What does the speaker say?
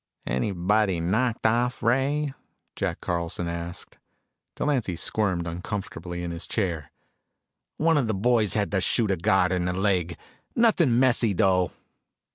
"Anybody knocked off, Ray?" Jack Carlson asked. Delancy squirmed uncomfortably in his chair. "One of the boys had to shoot a guard in the leg. Nothing messy, though."